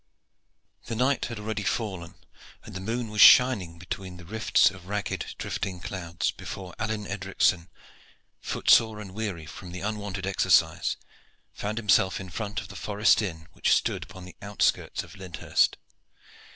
The night had already fallen, and the moon was shining between the rifts of ragged, drifting clouds, before Alleyne Edricson, footsore and weary from the unwonted exercise, found himself in front of the forest inn which stood upon the outskirts of Lyndhurst.